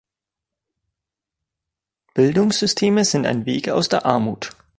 Bildungssysteme sind ein Weg aus der Armut.